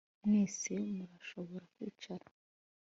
Mwese murashobora kwicara